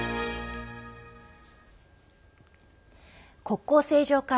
国交正常化